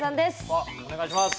わっお願いします。